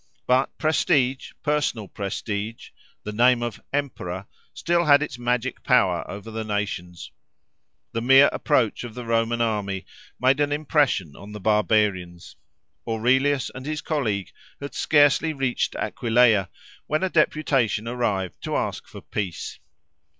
But prestige, personal prestige, the name of "Emperor," still had its magic power over the nations. The mere approach of the Roman army made an impression on the barbarians. Aurelius and his colleague had scarcely reached Aquileia when a deputation arrived to ask for peace.